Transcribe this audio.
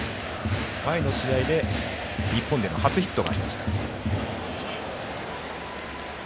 前の試合で日本での初ヒットがありました。